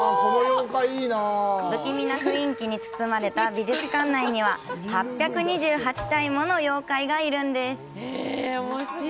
不気味な雰囲気に包まれた美術館内には８２８体もの妖怪がいるんです。